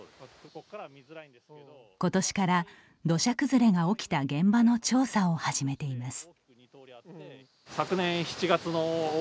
ことしから土砂崩れが起きた現場の調査を始めています。